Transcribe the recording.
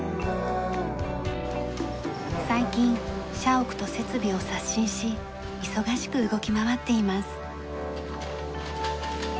最近社屋と設備を刷新し忙しく動き回っています。